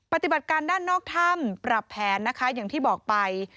ปฏิบัติการด้านนอกถ้ำปรับแผนนะคะอย่างที่บอกไป